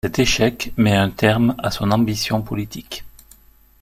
Cet échec met un terme à son ambition politique.